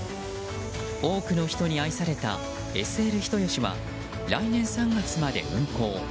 多くの人に愛されたＳＬ人吉は来年３月まで運行。